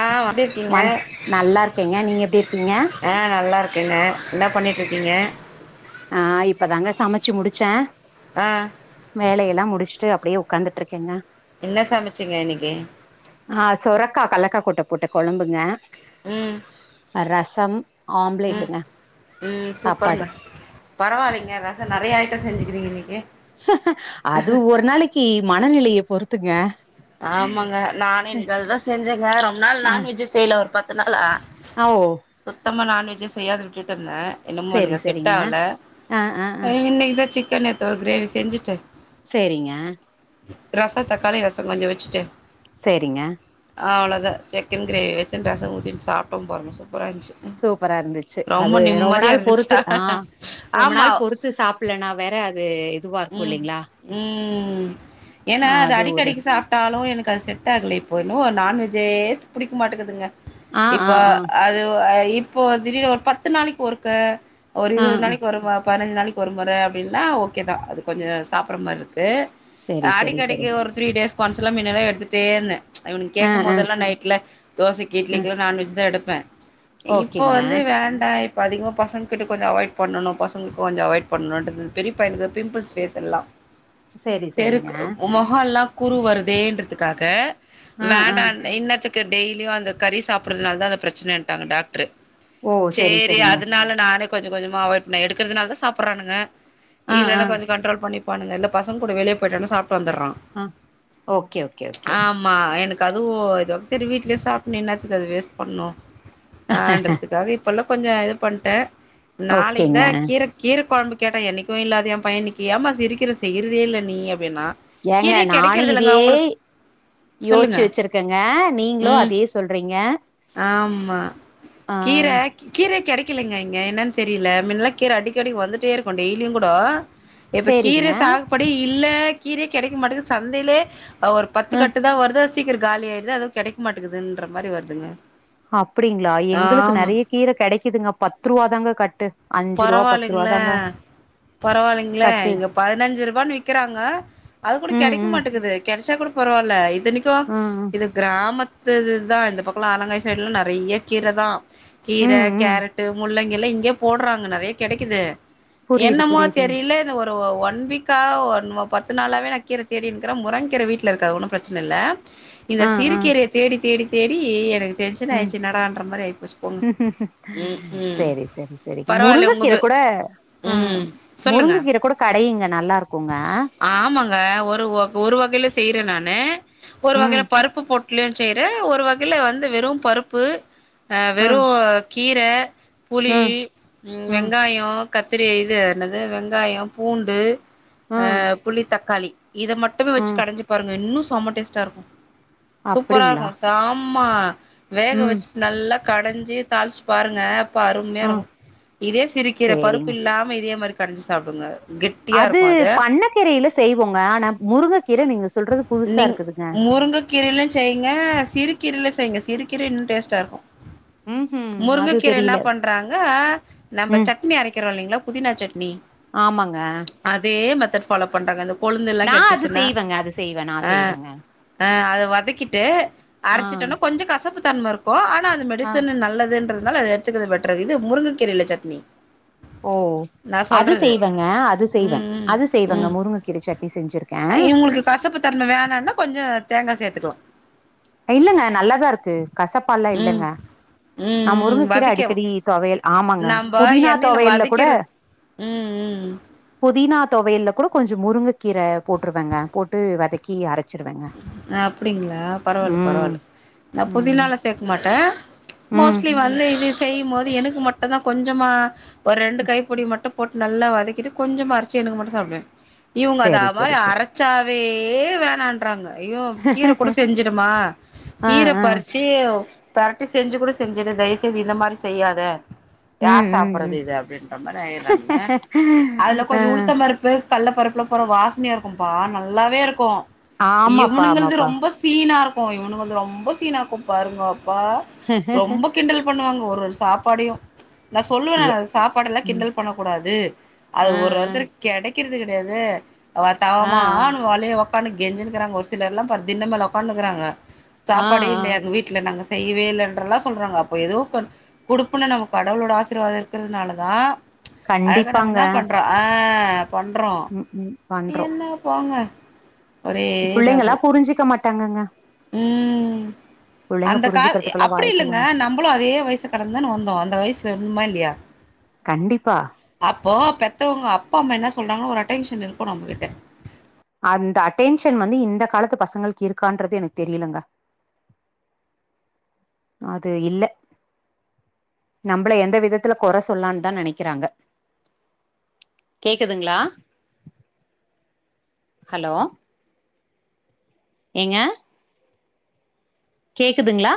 ஆஹ் எப்டி இருக்கீங்க வண நல்லா இருக்கேங்க நீங்க எப்டி இருக்கீங்க ஆஹ் நல்லா இருக் இருக்கங்க என்ன பண்ணிட்டு இருக்கீங்க ஆஹ் இப்பதாங்க சமச்சு முடிச்சேன் ஆ வேலையெல்லாம் முடிச் முடிச்சிட்டு அப்டியே உக்காந்துட்ருக்கங்க என்ன சமச்சீங்க இன்னக்கி ஆஹ் சொரக்கா கலக்க கூட்ட போட்ட கொளம்புங்க ம் ரசம் ம் ஆம்ப்லேட்டுங்க ம் சாப்பாடு சூப்பருங்க பரவாயில்லைங்க ரசம் நெறைய ஐடம் செஞ்சுக்கிறீங்க இன்னக்கி அது ஒரு நாளைக்கி மனநிலைய பொறுத்துங்க ஆமாங்க நானே இன்னைக்கு அதுதா செஞ்சங்க ரொம்ப நாள் நான்வெஜ்ஜே செய்யல ஒரு பத்து நாளா ஆ ஓ சுத்தமா நான்வெஜ்ஜே செய்யாது விட்டு விட்ருந்தேன் என்னமோ செரி எனக்கு அது செட் செரிங்க ஆவல ஆ ஆ ஆ அஹ் இன்னக்கி தா சிக் சிக்கன் எடுத்து ஒரு க்ரேவி செஞ்சுட்டு சேரிங்க ரசம் தக்காளி ரசம் கொஞ்சம் வெச்சுட்டு சேரிங்க அவ்ளோ தா சிக்கன் க்ரேவி வச்சு ரசம் ஊத்திட்டு சாப்ட போறோ சூப்பரா இருந்துச்சு அது ரொம்ப நிம்மதியா நாள் பொறுத்து இருந்துச்சா ஆஹ் ரொம்ப ஆமா நாள் பொறுத்து சாப்புல் டனா வேற அது இதுவார்க்கும் ம் இல்லைங்ளா ம் ஏன்னா அது அடிக்கடிக்கி சாப்ட்டாலும் எனக் எனக்கு செட் ஆகல இப்போ என்னவோ நான்வெஜ்ஜே புடிக்க மாட்டுகுதுங்க ஆ இப்ப ஆ ஆ அது இப்போ திடீர்னு ஒரு பத்து நாளைக்கு ஒருக்க ஒரு ஆ இருவது ஆ நாளைக்கு ஒருமோ பதினஞ்சு நாளைக்கு ஒரு மொற அப்டின்னா ஓகே தா அதுகொஞ்சம் சாப்ட்ற மாரி இருக்கு து செரி செரி செரி அடிக்கடிக்கி ஒரு டேஸ்ட் பன்னச்சுல மின்னல்லா எடுத்துட்டே இருந்தேன் இவனுங்க ஆ கேக்கும் ஆ போதெல்லா நைட்ல தோசைக்கி ஆ இட்லிக்குல்லா நான்வெஜ் தா எடுப்பேன் இப்போ ஓகேங்க வந்து வேண்டா இப்போ அதிகமாக பசங்கிட்ட கொஞ்சம் அவாய்ட் பண்ணணு பசங்களுக் கொஞ்சம் அவாய்ட் பண்லான்ட்டு பெரிய பையனுக்கு பிம்ப்ள்ஸ் ஃபேஸ் எல்லா செரி செரிங்க தெருக்கு மொகம் எல்லா குரு வருதேன்றதுக்காக ஆ ஆ வேண்டா இன்னத்துக் டெய்லியும் அந்த கறி சாப்ட்றதுனாலா தா அந்த ப்ரச்சனன்ட்டாங்க டாக்ட்ரு ஓ செரி சேரி செரிங்க அதுனால நானே கொஞ்ச கொஞ்சமா அவாய்ட் பண்ண எடுக்கறதுனால தா சாப்ட்டுறானுங்க ஆ ஆ இல்லனா கொஞ்ச கண்ட்ரோல் பண்ணி ப்பானுங்கல்ல பசங்க கூட வெளிய போய்ட்டானா சாப்ட வந்தரான் ஆ ஓகே ஓகே ஓகே எனக்கு அதுவு இதா சேரி வீட்லயே சாப்ட்ணு என்னாத்துக்கு அது வேஸ்ட் பண்ணு ஆன்றதுக்காக இப்ப எல்லா கொஞ்சம் இது பண்டேன் நாளைக்கி ஓகேங்க தான் கீர கீர கொழம்பு கேட்டா என்னைக்கும் இல்லாத எம் பைய இன்னிக்கு ஏம்மா சிரிக்கிற செய்யிறதே இல்ல நீ அப்டின்னா கீரை கெடைக்கிறத இல்லங்க உங்களுக் யோச்சு வச்சிருக்கங்க நீங்களும் அதே சொல்றீங்க ஆஹ் ஆ கீர கீரை கிடைக் கிடைக்கலங்க இங்க என்னன்னு தெரியல மின்னல்லா கீரை அடிக்கடிக்கு வந்துட்டே இருக்கும் டெய்லியும் கூடோ இப்ப சேரிங்க கீரை சாகுபடி இல்ல கீரைய கிடைக்க மாட்டங்குது சந்தையிலே அஹ் ஒரு பத்து ஆ கட்டுதான் வருது சீக்கிரம் காலி ஆயிடுது அதுவும் கிடைக்க மாட்டாகுதுன்ற மாரி வருதுங்க அப்படிங்களா எங்களுக்கு ஆமா நறைய கீரை கடைக்குதுங்க பத்து ரூபா தாங்க கட்டு அஞ்சு ரூவா பத்து ரூவா பரவாலுங்களே தாங்க பரவாயில்லைங்களே கட்டு இங்க பதினஞ்சு ரூபான்னு விக்கிறாங்க அது கூட ம் கடைக்க ம் மாட்டக்குது கெடச்சாக்கூட பரவால்ல இத்னைக்கு ஆ ஆ இது கிராமத் து தான் இந்த பக்கலா ஆலங்காய் சைடுலா நெறைய கீரை தான் கீரை ம் ம் கேரட்டு முள்ளங்கி எல்லா இங்கே போடுறாங்க நறைய கடைக்குது புரியுது என்னமோ புரியுது தெரியல இந்த ஒரு வொன் ஒன் வீக்கா ஒன் பத்து நாளாவே நான் கீரை தேடினுக்கிறே முருங்கீரை வீட்ல இருக்கு அது ஒண்ணு பிரச்சனை இல்ல இந்த ஆ சிறு ஆ கீரையை தேடி தேடி தேடி எனக்கு டென்ஷன் ஆயிடுச்சு என்னடான்ற மாரி ஆயிப்போச்சு போங்க ம் ம்கும் முருங்கை கீரை கூட ஆ சொல்லுங்க முருங்கை கீரை கூட கடையுங்க நல்லா இருக்குங்க ஆமாங்க ஒரு ஒரு வகையில செய்யறேன் நானு ஒரு ம் வகையில பருப்பு போட் ட்லும் செய்றே ஒரு வகையையில் வந்து வெறும் பருப்பு ஆ ம் வெறும் கீர புளி ம் ம் வெங்காயோம் கத்திரி இது என்னது வெங்காயம் பூண்டு ஆ ம் புளி தக்காளி இத மட்டுமே வச்சு ம் கடைஞ்சு பாருங்க இன்னும் செம டேஸ்ட்டா இருக்கும் சூப்பரா அப்டிங்களா இருக்கு சாம்மா வேக ம் வச்சுட்டு நல்லாக் கடைஞ்சி தாளிச்சு பாருங்க அப்ப அருமையா ஆ இருக்கு இதே சிரிக்கீர பருப்பு சேரிங்க இல்லாம இதே மாதிரி கடைஞ்சு சாப்டுங்க கெட்டியா அது இருக்கு பண்ணக்கீரையில செய்வோங்க ஆனா முருங்கக்கீரை நீங்க சொல்றது புதுசா இருக்குதுங்க முருங்கைக்கீரையிலு செய்ங்க சிறுகீரில செய்ங்க சிறுகீர இன்னும் டேஸ்ட்டா இருக்கு ம் ஹும் அது முருங்கைக்கீரை தெரியல என்னாப் பண்றாங்க நம்ம ம் சட்னி அரைக்கிறோம் இல்லைங்களா புதினா சட்னி ஆமாங்க மெதட் ஃபாலோ பண்ணறாங்க இந்த கொழுந்தெல்லா நா அது கடச்சுன்னா செய்வேங்க அது செய்வே நா அ செய்வேங்க அ அத வதக்கிட்டு ஆ அரைச்சிட்டோனா கொஞ்சோ கசப்பு தன்மை இருக்கு ஆனா அந்த ஆ மெடிசன் நல்லதுன்றதுனால அது எடுத்துக்கரத் இருந்தது பெட்டரு இது முருங்கை கீரையில சட்னி ஓ நா அது சொல்றது ம் ம் செய்வங்க முருங்க கீரை சட்னி செஞ்சிருக்கே இவங்களுக்கு கசப்பு தன்மை வேணாம்னா கொஞ்சோ தேங்கா சேர்த்துக்கலா இல்லங்க நல்லாதா இருக்கு கசப்பால்லா ம் இல்லங்க ம் நாம் ம் முருங்கக்கீர வதக்க அடிக்கடி தொவையல் ஆமாங்க நம்ப புதினா எண்ணெயில தொவையல்ல கூட வதக்கிறது ம் ம் புதினாத் தொவையல்ல கூட கொஞ்சம் முருங்கக் கீரை போட்டுருவாங்க போட்டு வதக்கி அரைச் அப்படிங்களா பரவால்ல ம் பரவால்ல நான் ம் புதினால சேர்க்க மாட்டே ம் மோஸ்ட்லி வந்து இது செய்யும் போது எனக்கு மட்டும்தான் கொஞ்சமா ஒரு ரெண்டு கைப்புடி மட்டும் போட்டு நல்லா வதக்கிட்டு கொஞ்சமா அரைச்சு எனக்கு மாட்டும் சாப்பிடுவே இவுங்க அத செரி மாதிரி செரி செரி அரைச்சாவே வே வேணான்றாங்க ஐயோ கீரை கூட செஞ்சுடுமா ஆ கீரை ஆ பறிச்சு பெரட்டி செஞ்சு கூட செஞ்சுடு தயவு செய்து இந்த மாதிரி செய்யாத ம் யார் ம் சாப்டடுறது ம் இத அப்டின்ற மாரி ஆயிறாங்க அதுல ஆ கொஞ்சம் உளுத்த பருப்பு கள்ள பருப்புல போறா வாசனையா இருக்கும்பா நல்லாவே இருக்கும் ஆமாப்பா இவனுங்கல்து ஆமாப்பா ரொம்ப சீனா இருக் கும் இவனுகல்து ரொம்போ சீனாக்கும் பாருங்க அப்பா ரொம்போ கிண்டல் பண்ணுவாங்க ஒரு வொரு ஸா சாப்பாடையு நான் சொல்லுவ எ சாப்பாடு எல்லாம் ம் கிண்டல் பண்ணக் கூடாது அது ஆ ஒரு ஆ ஒருத்தறுக்கு கெடைக் றது கிடையாது அவ ஆ ஆ தவமா வழியை உக்காு கெஞ்சு ங்க ஒரு சிலர்ல்லாம் ப தின் மேல உட்காந்துக்கிறாங்க ஆ சாப்பாடுே ஆ இல்லைய எங்க வீட்ல நாங்க செய்வே இல்லைன்றெல்லா சொல்றாங்க அப்ப எதுவும் கொடுப்புன்னு நம கடவுளோட ஆசீர்வாதம் இருக்கிறதுனாலதான் அதுக்கு கண்டிப்பாங்க நம்ப பண்றோ ம் ம் என்ன போங்க ஒரே பிள்ளைங்களா இதாகுது புரிஞ்சுிக்க மாட்டாங்கங்க ம் புள்ளைங்க அந்த கா புரிஞ்சுக்கிறதுக்கெல்லா அப்படி வாய்ப்பு இல்லைங்க இல்லங்க நம்மளும் அதே வயசு கடந்தன்னு வந்தோம் அந்த வயசு சொல்மாளியா கண்டிப்பா அப்போ பெத்தவங்க அப்பா அம்மா என்ன சொல்றாங்கன் ஒரு அட்டென்ஷன் இருக்கனு நம்மகிட்ட அந்த அட்டென்ஷன் வந்து இந்த காலத்து பசங்களுக்கு இருக்கான்றது எனக் தெரியலங்க அது இல்ல நம்பள எந்த விதத்துல கொற சொல்லான் தா நினைக்கிறாங்க கேக்குதுங்ளா ஹலோ ஏங்க கேக்குதுங்ளா